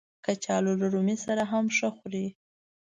کچالو له رومي سره هم ښه خوري